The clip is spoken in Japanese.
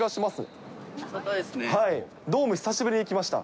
ドーム久しぶりに来ました。